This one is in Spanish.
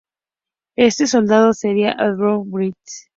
Este soldado sería Adolf Hitler.